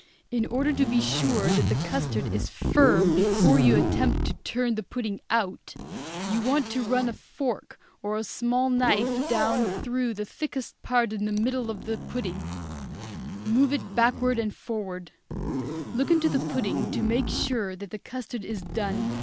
In order to be sure that the custard is firm before you attempt to turn the pudding out, you want to run a fork or a small knife down through the thickest part in the middle of the pudding; move it backward and forward; look into the pudding to make sure that the custard is done.